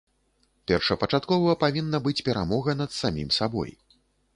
Першапачаткова павінна быць перамога над самім сабой.